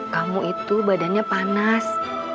kamu itu badannya panas